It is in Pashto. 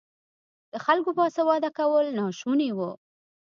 د خلکو باسواده کول ناشوني وو.